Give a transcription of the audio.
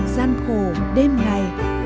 gian khổ đêm này